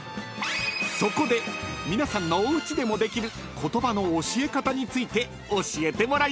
［そこで皆さんのおうちでもできる言葉の教え方について教えてもらいました］